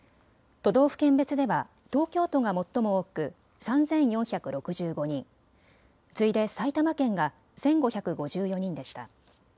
都道府県別では東京都が最も多く３４６５人、次いで埼玉県が１５５４人でした。